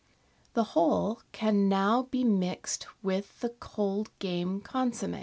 The whole can now be mixed with the cold game consomm^.